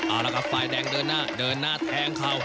เอาละครับฝ่ายแดงเดินหน้าเดินหน้าแทงเขา